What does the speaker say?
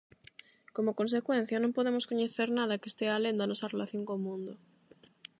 Como consecuencia, non podemos coñecer nada que estea alén da nosa relación co mundo.